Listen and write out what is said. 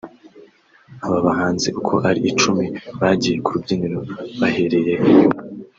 Aba bahanzi uko ari icumi bagiye ku rubyiniro bahereye inyuma